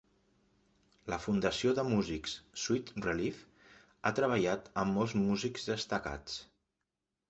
La fundació de músics Sweet Relief ha treballat amb molts músics destacats.